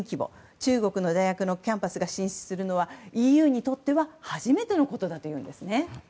中国の大学のキャンパスが進出するのは、ＥＵにとって初めてだということです。